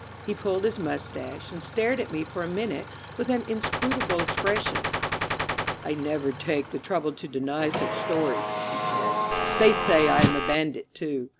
He pulled his mustache and stared at me for a minute with an in scrutable expression. ^^I never take the trouble to deny such stories," he said. ^^They say I am a bandit, too.